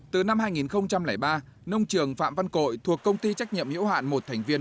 từ năm hai nghìn ba nông trường phạm văn cội thuộc công ty trách nhiệm hiểu hạn một thành viên